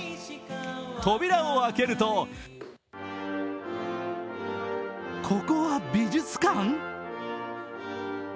扉を開けると、ここは美術館？